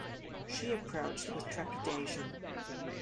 She approached with trepidation